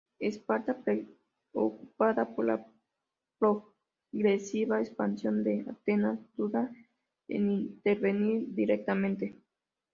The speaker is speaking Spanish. Esparta, preocupada por la progresiva expansión de Atenas, duda en intervenir directamente.